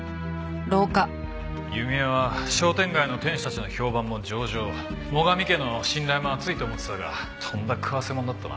弓江は商店街の店主たちの評判も上々最上家の信頼も厚いと思ってたがとんだ食わせ者だったな。